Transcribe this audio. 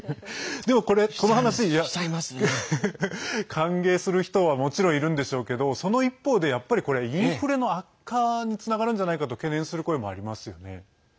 でも、この話、歓迎する人はもちろんいるんでしょうけどその一方で、やっぱりこれはインフレの悪化につながるんじゃないかと懸念する声もありますよね。